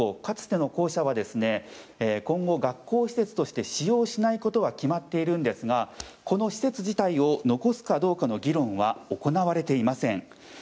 かつての校舎は今後、学校施設として使用しないことが決まっているんですがこの施設自体を残すかどうかの議論は行われていません。